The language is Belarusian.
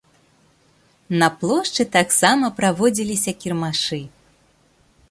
На плошчы таксама праводзіліся кірмашы.